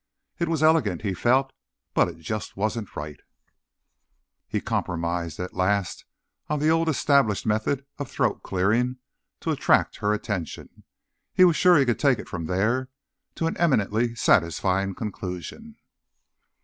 It was elegant, he felt, but it just wasn't right. He compromised at last on the old established method of throat clearing to attract her attention. He was sure he could take it from there, to an eminently satisfying conclusion.